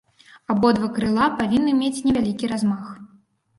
Абодва крыла павінны мець невялікі размах.